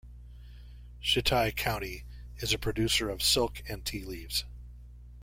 Shitai County is a producer of silk and tea leaves.